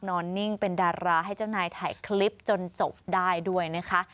นิ่งเป็นดาราให้เจ้านายถ่ายคลิปจนจบได้ด้วยนะคะ